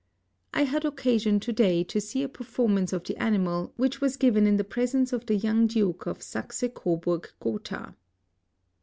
I had occasion to day to see a performance of the animal which was given in the pres ence of the young Duke of Sachse Coburg Gotha.